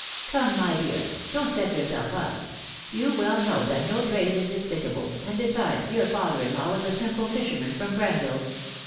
Come, my dear, don't set yourself up; you well know that no trade is despicable, and besides your father in law was a simple fisherman from Granville.